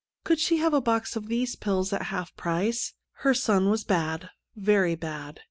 Could she have a box of these pills at half price .'' Her son was bad, very bad.